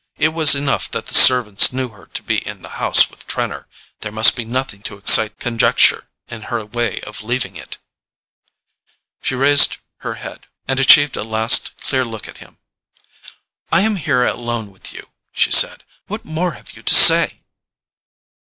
It was enough that the servants knew her to be in the house with Trenor—there must be nothing to excite conjecture in her way of leaving it. She raised her head, and achieved a last clear look at him. "I am here alone with you," she said. "What more have you to say?"